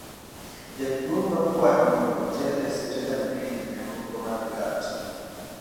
Jaduong' nokwaye mondo otere e sitesen ma iidho e nyamburko madhi Karatina.